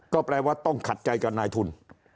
ก็แปลว่าต้องขัดใจกับนายทุน